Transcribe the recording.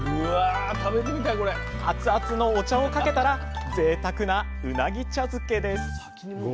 熱々のお茶をかけたらぜいたくなうなぎ茶漬けです